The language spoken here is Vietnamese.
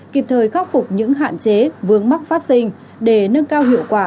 kịp thời khắc phục những hạn chế vướng mắc phát sinh để nâng cao hiệu quả